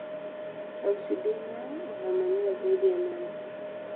tausi dume una manyoa zaidi ya mia mbili